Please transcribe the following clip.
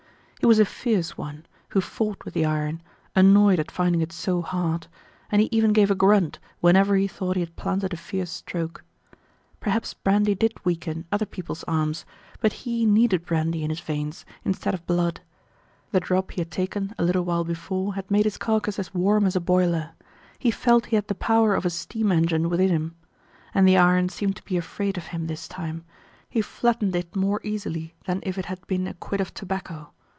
He was a fierce one, who fought with the iron, annoyed at finding it so hard, and he even gave a grunt whenever he thought he had planted a fierce stroke. Perhaps brandy did weaken other people's arms, but he needed brandy in his veins, instead of blood. The drop he had taken a little while before had made his carcass as warm as a boiler; he felt he had the power of a steam engine within him. And the iron seemed to be afraid of him this time; he flattened it more easily than if it had been a quid of tobacco.